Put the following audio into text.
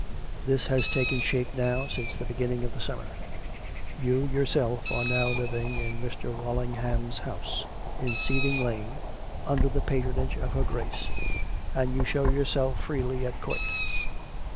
This has taken shape now since the beginning of the summer. You yourself are now living in Mr. Walsing 266 COME RACK! COME ROPE! ham's house, in Seething Lane^ under the patronage of her Grace, and you show yourself freely at court.